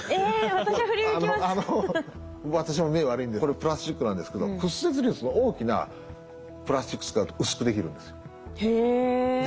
私も目悪いんでこれプラスチックなんですけど屈折率の大きなプラスチック使うと薄くできるんですよ。